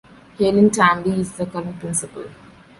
Helen Tan-Lee is the current principal.